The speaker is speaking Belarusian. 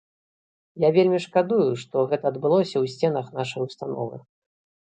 Я вельмі шкадую, што гэта адбылося ў сценах нашай установы.